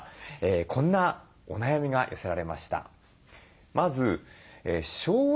こんなお悩みが寄せられました。